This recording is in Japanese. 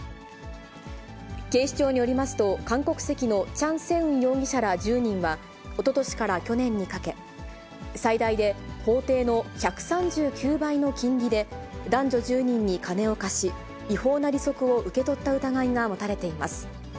警視庁によりますと、韓国籍のチャン・セウン容疑者ら１０人は、おととしから去年にかけ、最大で法定の１３９倍の金利で、男女１０人に金を貸し、違法な利息を受け取った疑いが持たれています。